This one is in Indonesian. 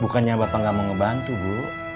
bukannya bapak nggak mau ngebantu bu